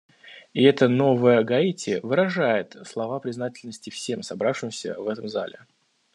И эта новая Гаити выражает слова признательности всем собравшимся в этом зале.